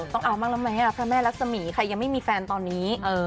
ต้องเอาบ้างแล้วไหมพระแม่รักษมีใครยังไม่มีแฟนตอนนี้